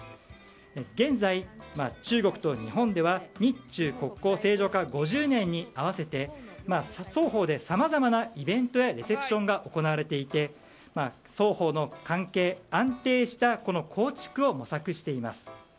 現在、中国と日本では日中国交正常化５０年に合わせて双方でさまざまなイベントやレセプションが行われていて双方の関係安定した構築を模索しています。